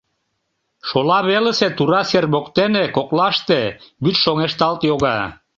Шола велысе тура сер воктене, коклаште, вӱд шоҥешталт йога.